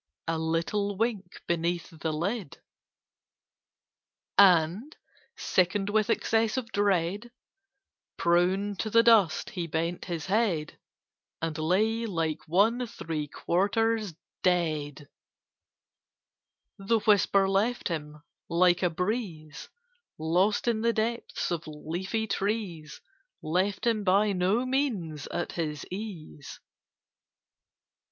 A little wink beneath the lid. And, sickened with excess of dread, Prone to the dust he bent his head, And lay like one three quarters dead The whisper left him—like a breeze Lost in the depths of leafy trees— Left him by no means at his ease.